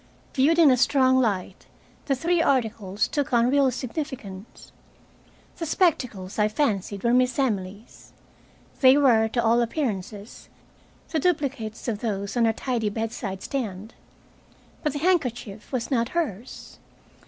Viewed in a strong light, the three articles took on real significance. The spectacles I fancied were Miss Emily's. They were, to all appearances, the duplicates of those on her tidy bedside stand. But the handkerchief was not hers.